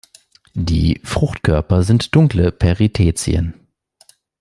Die Fruchtkörper sind dunkle Perithecien.